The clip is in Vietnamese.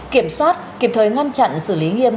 kiểm soát kiểm thời ngăn chặn xử lý nghiêm